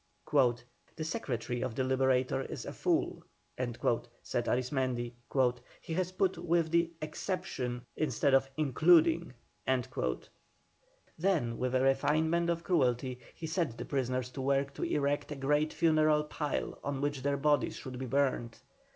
"The Secretary of the Liberator is a fool," said Arismendi, "he has put with the exception instead of including." Then with a refinement of cruelty, he set the prisoners to work to erect a great funeral pile on which their bodies should be burned.